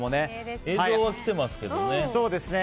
映像は来てますけどね。